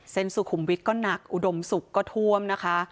เซ่นสุขุมวิทก็หนักอุดมสุขก็ทวมนะคะ